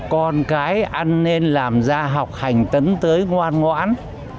con cái ăn nên làm ra học hành tấn tới ngoan ngoãn